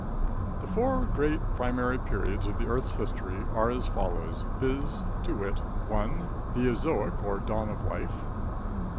The four great primary periods of the earth's history are as follows, viz, to wit: 1. The Eozoic or dawn of life.